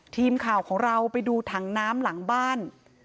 ทีมข่าวของเราไปดูถังน้ำหลังบ้าน